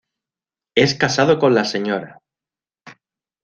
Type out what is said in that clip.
Es casado con la Sra.